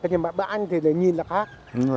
nhưng mà bản thì nhìn là khác